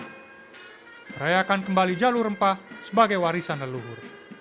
merayakan kembali jalur rempah sebagai warisan leluhur